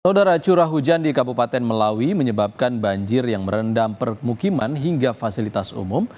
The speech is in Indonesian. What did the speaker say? saudara curah hujan di kabupaten melawi menyebabkan banjir yang merendam permukiman hingga fasilitas umum